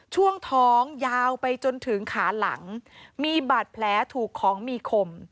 ช่วงท้องยาวไปจนถึงขาหลังมีบาดแผลถูกของมีคม